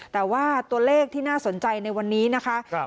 แต่ว่าตัวเลขที่น่าสนใจในวันนี้นะคะ